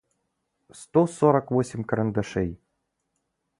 сто сорок восемь карандашей